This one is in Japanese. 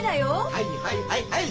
はいはいはいはい。